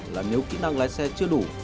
là nếu kỹ năng lái xe chưa đủ